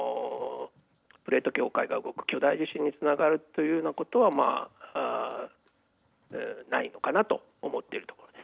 プレート境界が動く巨大地震につながるということはないのかなと思っているところです。